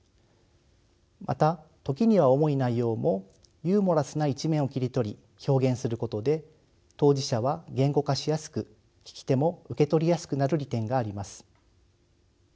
また時には重い内容もユーモラスな一面を切り取り表現することで当事者は言語化しやすく聞き手も受け取りやすくなる利点があります。